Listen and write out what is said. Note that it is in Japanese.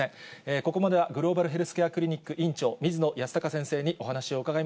ここまでは、グローバルヘルスケアクリニック院長、水野泰孝先生にお話を伺い